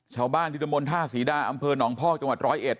ชาวบ้านที่ดำมนท่าศรีดาอำเภอหนองพ่อจังหวัด๑๐๑